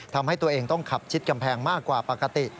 ทำให้ตัวเองต้องขับชิดกำแพงมากกว่าปกติ